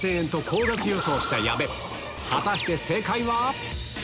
果たして正解は？